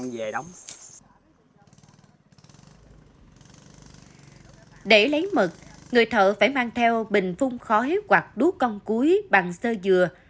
để lấy mật người thợ phải mang theo bình phun khói hoặc đuốt cong cúi bằng sơ dừa